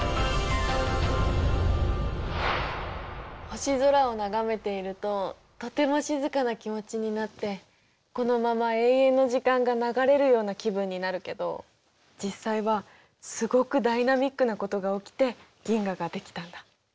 星空を眺めているととても静かな気持ちになってこのまま永遠の時間が流れるような気分になるけど実際はすごくダイナミックなことが起きて銀河が出来たんだ。